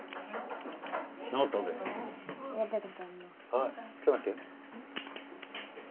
はいちょっと待って。